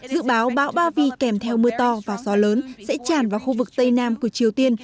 dự báo bão ba vy kèm theo mưa to và gió lớn sẽ tràn vào khu vực tây nam của triều tiên